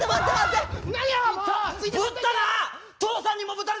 ぶったな！